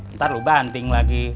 ntar lu banting lagi